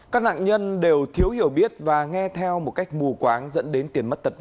các nạn nhân đều thiếu hiểu biết và nghe theo một cách mù quáng dẫn đến tiền mất tật mạng